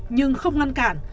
nhưng không ngăn cản